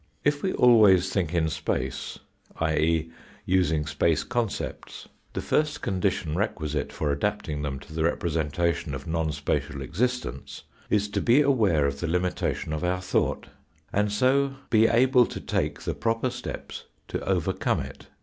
If we always think in space, i.e. using space concepts, the first condition requisite for adapting them to the representation of non spatial exis tence, is to be aware of the limitation of our thought, and so be able to take the proper steps to overcome it.